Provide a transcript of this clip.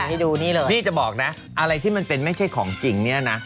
ผมจะบอกนะอะไรที่มันเป็นไม่ใช่ของจริงเนี่ยนะ